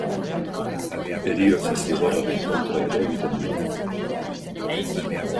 Heriotza zigorraren kontra ere egiten du lan.